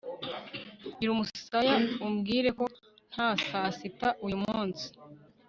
gira umusaya umbwire ko nta sasita uyumunsi